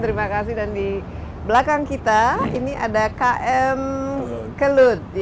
terima kasih dan di belakang kita ini ada km kelut